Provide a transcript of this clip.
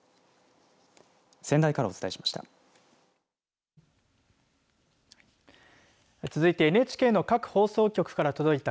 仙台からお伝えしました。